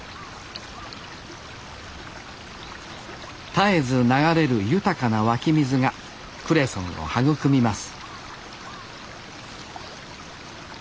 絶えず流れる豊かな湧き水がクレソンを育みます